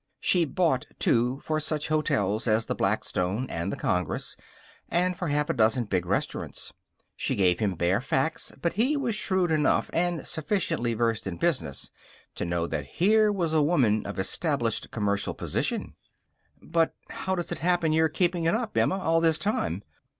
She bought, too, for such hotels as the Blackstone and the Congress, and for half a dozen big restaurants. She gave him bare facts, but he was shrewd enough and sufficiently versed in business to know that here was a woman of established commercial position. "But how does it happen you're keepin' it up, Emma, all this time?